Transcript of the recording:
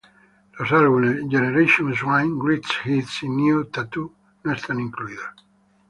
Los álbumes "Generation Swine", Greatest Hits, y "New Tattoo no están incluidos.